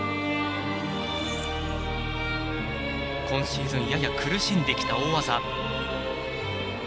今シーズンやや苦しんできた大技。